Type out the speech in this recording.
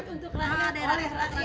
untuk daerah daerahnya kerat